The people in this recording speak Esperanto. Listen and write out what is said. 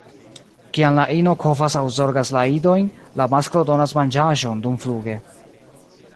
Kiam la ino kovas aŭ zorgas la idojn, la masklo donas manĝaĵon dumfluge.